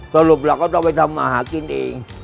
สรุปเราก็ต้องไปทำมาหากินเอง